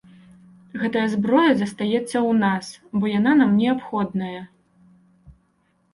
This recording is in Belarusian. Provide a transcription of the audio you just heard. Гэтая зброя застаецца ў нас, бо яна нам неабходная.